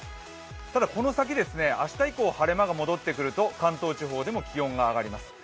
ただこの先、明日以降、晴れ間が戻ってくると関東地方でも気温が上がります。